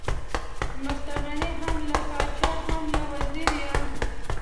مستغني هم له پاچا هم له وزیر یم.